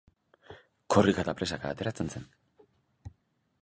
Korrika eta presaka ateratzen zen.